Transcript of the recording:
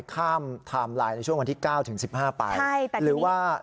ข้ามไทม์ไลน์ในช่วงวันที่๙ถึง๑๕ปลาย